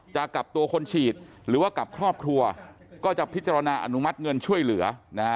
จะกลับตัวคนฉีดหรือว่ากับครอบครัวก็จะพิจารณาอนุมัติเงินช่วยเหลือนะฮะ